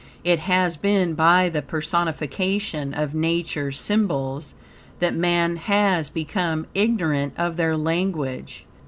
It has been by the personification of Nature's symbols, that man has become ignorant of their language.